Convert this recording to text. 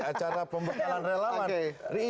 acara pembekalan relawan